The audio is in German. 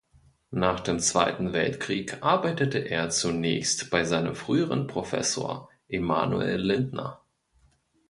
Nach dem Zweiten Weltkrieg arbeitete er zunächst bei seinem früheren Professor Emanuel Lindner.